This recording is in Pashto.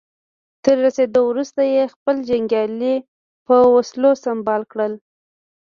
تر رسېدو وروسته يې خپل جنګيالي په وسلو سمبال کړل.